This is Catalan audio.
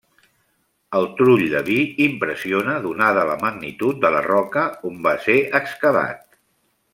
El Trull de vi impressiona donada la magnitud de la roca on va ser excavat.